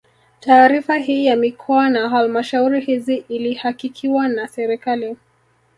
Taarifa hii ya mikoa na halmashauri hizi ilihakikiwa na serikali